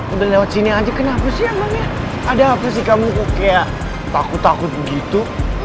udah lewat sini aja kenapa sih emang ya ada apa sih kamu kok kayak takut takut begitu